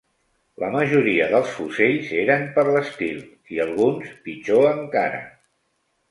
La majoria dels fusells eren per l'estil, i alguns pitjor encara